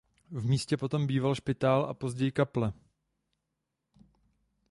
V místě potom býval špitál a později kaple.